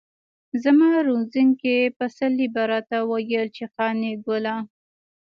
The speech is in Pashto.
زما روزونکي پسرلي به راته ويل چې قانع ګله.